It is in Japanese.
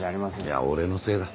いや俺のせいだ。